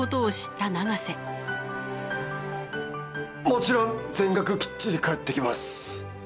もちろん全額きっちり返ってきます。